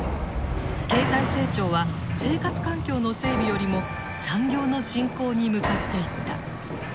経済成長は生活環境の整備よりも産業の振興に向かっていった。